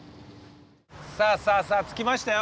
さあさあさあ着きましたよ。